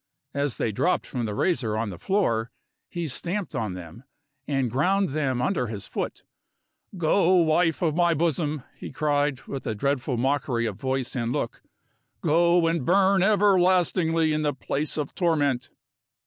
As they dropped from the razor on the floor, he stamped on them, and ground them under his foot. "Go, wife of my bosom," he cried, with a dreadful mockery of voice and look "go, and burn everlastingly in the place of torment!"